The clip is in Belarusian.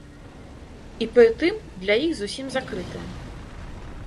І пры тым для іх зусім закрытая.